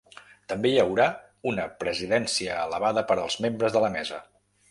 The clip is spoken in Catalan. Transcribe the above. També hi haurà una presidència elevada per als membres de la mesa.